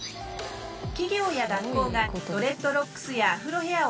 企業や学校がドレッドロックスやアフロヘアを禁止してはいけない。